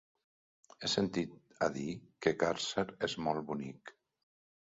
He sentit a dir que Càrcer és molt bonic.